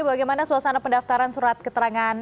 bagaimana suasana pendaftaran surat keterangan